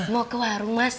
mau ke warung mas